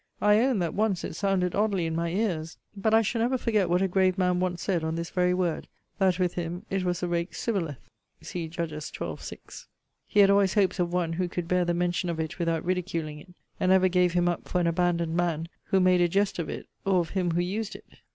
I own that once it sounded oddly in my ears. But I shall never forget what a grave man once said on this very word that with him it was a rake's sibboleth.* He had always hopes of one who could bear the mention of it without ridiculing it; and ever gave him up for an abandoned man, who made a jest of it, or of him who used it.